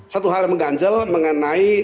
satu hal yang mengganjal mengenai